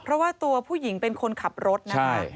เพราะว่าตัวผู้หญิงเป็นคนขับรถนะคะ